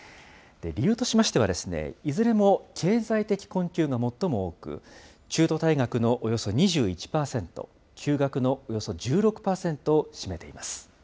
理由としましては、いずれも経済的困窮が最も多く、中途退学のおよそ２１％、休学のおよそ１６％を占めています。